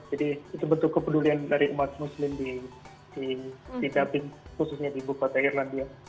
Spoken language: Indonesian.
jadi itu bentuk kepedulian dari umat muslim di dublin khususnya di bukhara irlandia